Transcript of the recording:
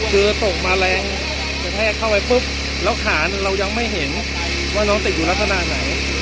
คือตกมาแรงกระแทกเข้าไปปุ๊บแล้วขาเรายังไม่เห็นว่าน้องติดอยู่ลักษณะไหน